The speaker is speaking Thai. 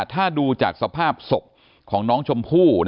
ถ้าดูจากสภาพศพของน้องชมพู่